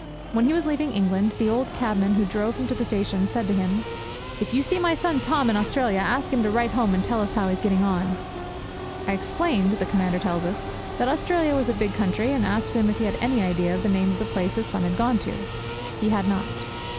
When he was leaving England the old cabman who drove him to the station said to him, 'If you see my son Tom in Australia, ask him to write home and tell us how he's getting on.' 'I explained,' the Commander tells us, 'that Australia was a big country, and asked him if he had any idea of the name of the place his son had gone to. He had not.'